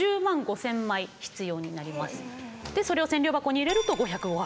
でそれを千両箱に入れると５０５箱。